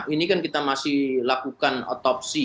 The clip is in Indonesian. ini kan kita masih lakukan otopsi